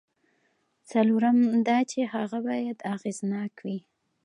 څلورم دا چې هغه باید اغېزناک وي.